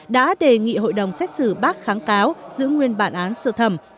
đã đề nghị hội đồng xét xử bác kháng cáo giữ nguyên bản án sơ thẩm